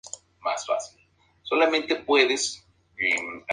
Al noroeste se extiende la llanura de Arta.